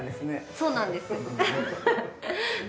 そうなんです。